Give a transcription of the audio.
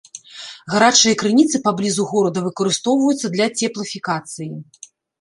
Гарачыя крыніцы паблізу горада выкарыстоўваюцца для цеплафікацыі.